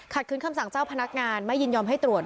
คืนคำสั่งเจ้าพนักงานไม่ยินยอมให้ตรวจ